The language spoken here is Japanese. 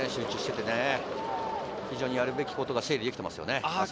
やるべきことが整理できていますね。